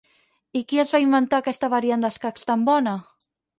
I qui es va inventar aquesta variant d'escacs tan bona?